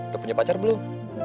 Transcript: lo punya pacar belum